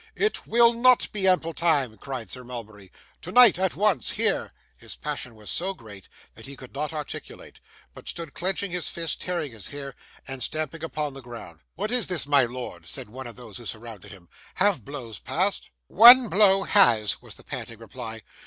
'It will not be ample time!' cried Sir Mulberry. 'Tonight, at once, here!' His passion was so great, that he could not articulate, but stood clenching his fist, tearing his hair, and stamping upon the ground. 'What is this, my lord?' said one of those who surrounded him. 'Have blows passed?' 'ONE blow has,' was the panting reply.